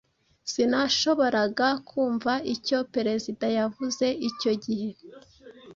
Sinashoboraga kumva icyo perezida yavuze icyo gihe.